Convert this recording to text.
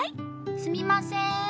・すみません。